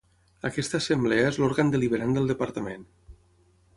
Aquesta assemblea és l'òrgan deliberant del departament.